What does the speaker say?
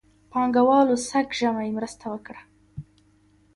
پانګهوالو سږ ژمی مرسته وکړه.